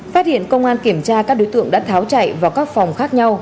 phát hiện công an kiểm tra các đối tượng đã tháo chạy vào các phòng khác nhau